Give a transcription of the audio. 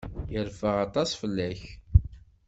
Yerfa aṭas fell-ak.